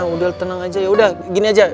udah tenang aja yaudah gini aja